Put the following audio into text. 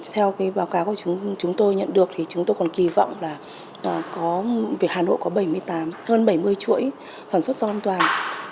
theo cái báo cáo của chúng tôi nhận được thì chúng tôi còn kì vọng là hà nội có bảy mươi tám hơn bảy mươi chuỗi sản xuất an toàn